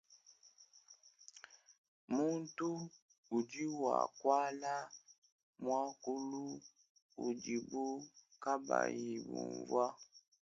Muntu udi wakuala muakulu udibu kabayi bunvua.